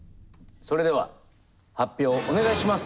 それでは発表お願いします。